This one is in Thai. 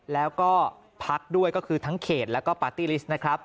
แล้วก็พักด้วยก็คือทั้งเขตแล้วก็ปาร์ตี้ลิสต์นะครับ